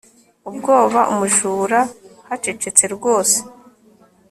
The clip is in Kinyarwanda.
ubwoba umujura. hacecetse rwose